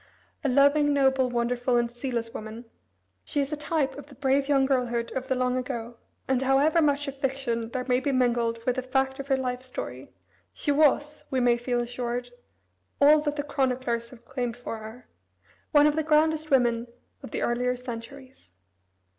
A loving, noble, wonderful, and zealous woman, she is a type of the brave young girlhood of the long ago, and, however much of fiction there may be mingled with the fact of her life story, she was, we may feel assured, all that the chroniclers have claimed for her "one of the grandest women of the earlier centuries."